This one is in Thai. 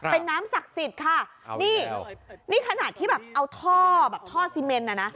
เป็นน้ำศักดิ์สิทธิ์ค่ะนี่นี่ขนาดที่แบบเอาท่อแบบท่อซีเมนน่ะนะ